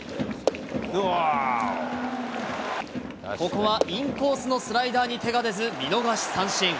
ここはインコースのスライダーに手が出ず、見逃し三振。